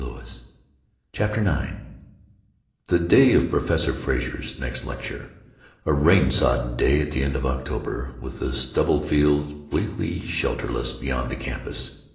CHAPTER IX he day of Professor Frazer's next lecture, a rain sodden day at the end of October, with the stubble fields bleakly shelterless beyond the campus.